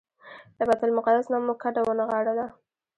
له بیت المقدس نه مو کډه ونغاړله.